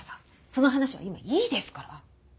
その話は今いいですから！